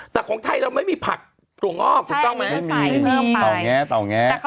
แต่ของไทยเราไม่มีผัดตัวงอกถูกต้องมั้ย